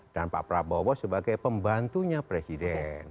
dan pak prabowo sebagai pembantunya presiden